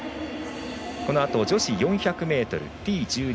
このあと、女子４００ｍＴ１２